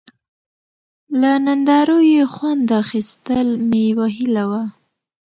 له نندارو یې خوند اخیستل مې یوه هیله وه.